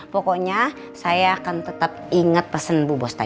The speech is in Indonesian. pokoknya saya akan tetap ingat pesan bu bos tadi